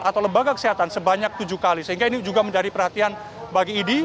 atau lembaga kesehatan sebanyak tujuh kali sehingga ini juga menjadi perhatian bagi idi